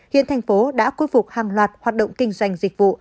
hiện thành phố đã khôi phục hàng loạt hoạt động kinh doanh dịch vụ